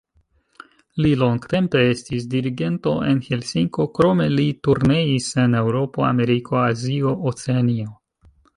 Li longtempe estis dirigento en Helsinko, krome li turneis en Eŭropo, Ameriko, Azio, Oceanio.